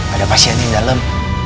ada pasiennya di dalam